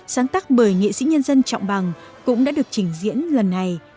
sáng tác bởi nghệ sĩ nhân dân trọng bằng cũng đã được trình diễn lần này